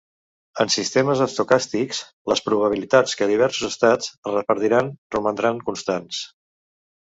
En sistemes estocàstics, les probabilitats que diversos estats es repetiran romandran constants.